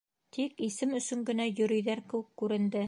Тик исем өсөн генә йөрөйҙәр кеүек күренде.